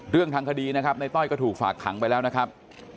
เรื่องทางคดีนะครับในต้อยก็ถูกฝากขังไปแล้วนะครับ